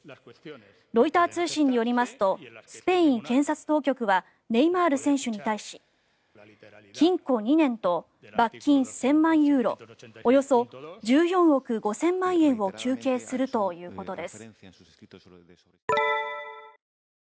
ロイター通信によりますとスペイン検察当局はネイマール選手選手に対し禁錮２年と罰金１０００万ユーロおよそ１４億５０００万円を求刑するということです。